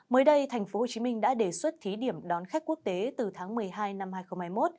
mới đây tp hcm đã đề xuất thí điểm đón khách quốc tế từ tháng một mươi hai năm hai nghìn hai mươi một